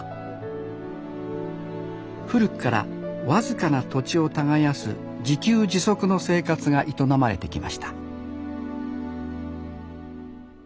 古くから僅かな土地を耕す自給自足の生活が営まれてきました